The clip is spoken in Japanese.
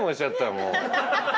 もう。